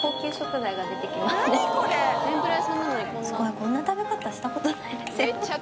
こんな食べ方したことないです